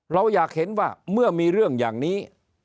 เราอยากเห็นว่าเมื่อมีเรื่องอย่างนี้